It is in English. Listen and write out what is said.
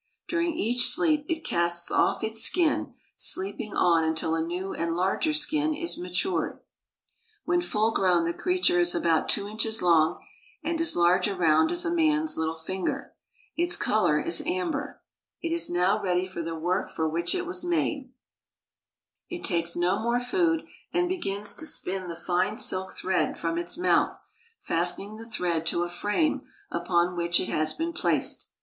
During each sleep it casts off its skin, sleeping on until a new and larger skin is matured. When full grown, the creature is about two inches long and as large around as a man's little finger. Its color is amber. It is now ready for the work for which it was INDUSTRIAL CHINA 1 69 made. It takes no more food, and begins to spin the fine silk thread from its mouth, fastening the thread to a frame upon which it has been placed.